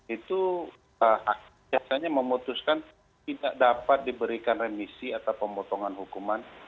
itu hakim biasanya memutuskan tidak dapat diberikan remisi atau pemotongan hukuman